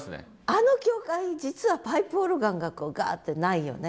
あの教会実はパイプオルガンがこうガッてないよね。